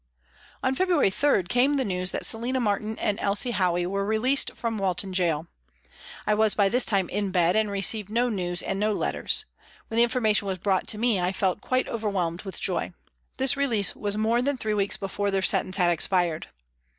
On February 3 came the news that Selina Martin and Elsie Howey were released from Walton Gaol. I was by this time in bed and received no news and no letters ; when the information was brought to THE HOME OFFICE 307 me, I felt quite overwhelmed with joy. This release was more than three weeks before their sentence had expired.